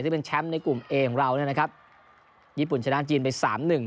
ซึ่งเป็นแชมป์ในกลุ่มเอของเราเนี่ยนะครับญี่ปุ่นชนะจีนไปสามหนึ่ง